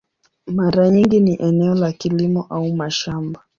Mara nyingi ni eneo la kilimo au mashamba.